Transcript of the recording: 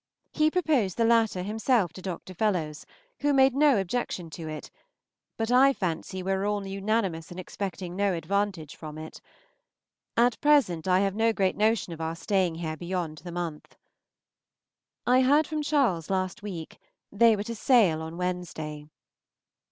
He proposed the latter himself to Dr. Fellowes, who made no objection to it, but I fancy we are all unanimous in expecting no advantage from it. At present I have no great notion of our staying here beyond the month. I heard from Charles last week; they were to sail on Wednesday.